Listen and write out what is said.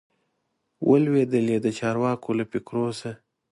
وه لوېدلي د چارواکو له فکرو سه